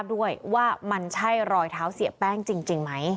และก็คือว่าถึงแม้วันนี้จะพบรอยเท้าเสียแป้งจริงไหม